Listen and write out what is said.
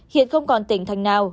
hiện không còn tỉnh thành nào